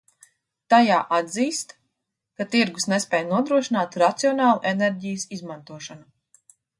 Tajā atzīst, ka tirgus nespēj nodrošināt racionālu enerģijas izmantošanu.